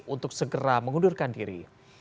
untuk segera mengundurkan diri